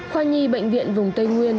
khoa nhi bệnh viện vùng tây nguyên